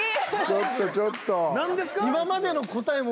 ちょっとちょっと。